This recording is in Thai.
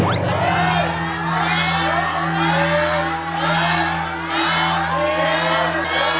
หนึ่งสองสามสี่ห้าหกแผ่นไหนครับ